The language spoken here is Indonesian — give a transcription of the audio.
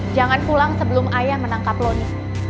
jangan pulang sebelum ayah menangkap lony